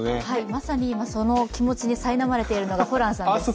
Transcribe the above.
まさに今、その気持ちにさいなまれているのがホランさんです。